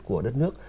của đất nước